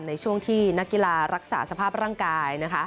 ในช่วงที่นักกีฬารักษาสภาพร่างกาย